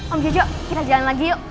om yujo kita jalan lagi yuk